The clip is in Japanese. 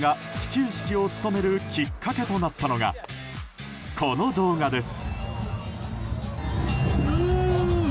松岡さんが始球式を務めるきっかけとなったのがこの動画です。